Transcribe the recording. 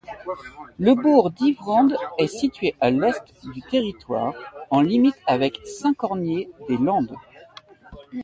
Le bourg d'Yvrandes est situé à l'est du territoire, en limite avec Saint-Cornier-des-Landes.